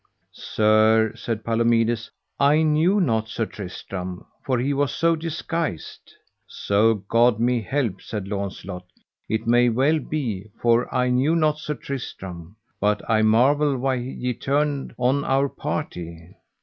Sir, said Palomides, I knew not Sir Tristram, for he was so disguised. So God me help, said Launcelot, it may well be, for I knew not Sir Tristram; but I marvel why ye turned on our party.